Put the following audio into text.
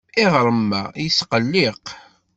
Iɣrem-a yesqelliq.